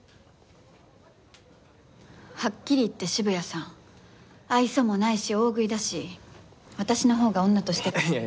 はっきり言って渋谷さん愛想もないし大食いだし私のほうが女としては。